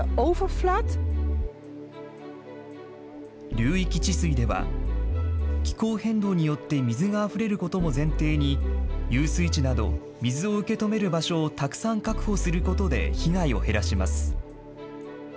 流域治水では、気候変動によって水があふれることも前提に、遊水池など、水を受け止める場所をたくさん確保することで被害を減らします。